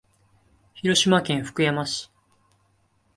広島県福山市